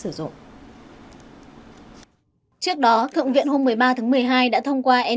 trước đó thượng viện hôm một mươi ba tháng một mươi hai đã thông qua ndaa đây là một trong những đạo luật quan trọng mà quốc hội mỹ cần thông qua mỗi năm